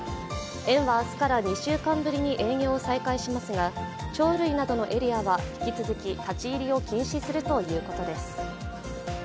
園は明日から２週間ぶりに営業を再開しますが鳥類などのエリアは引き続き立ち入りを禁止するということです。